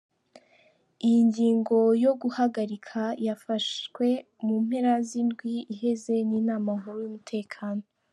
Iyingingo yo kuyahagarika yafashwe mu mpera z'indwi iheze n'inama nkuru y'umutekano.